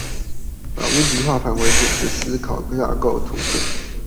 把問題化繁為簡的思考架構圖鑑